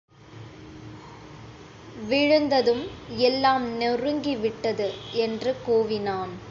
விழுந்ததும், எல்லாம் நொறுங்கி விட்டது! என்று கூவினான்.